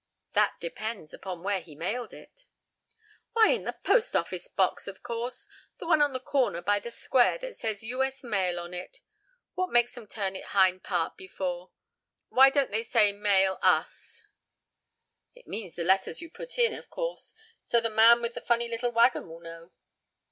"That depends upon where he mailed it." "Why, in the post office box, of course. The one on the corner, by the square, that says U. S. mail on it. What makes them turn it hind part before? Why don't they say mail us? It means the letters you put in, of course. It's so the man with the funny little wagon will know."